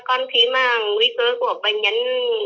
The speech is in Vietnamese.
còn khi mà nguy cơ của bệnh nhân